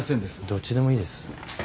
どっちでもいいです。